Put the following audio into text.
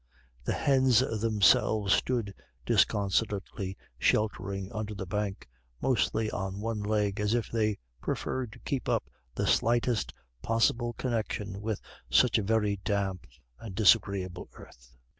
The hens themselves stood disconsolately sheltering under the bank, mostly on one leg, as if they preferred to keep up the slightest possible connection with such a very damp and disagreeable earth.